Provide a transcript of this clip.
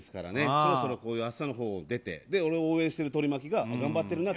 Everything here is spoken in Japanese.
そろそろこういう朝のほうを出て、俺を応援してる取り巻きが頑張ってるなって。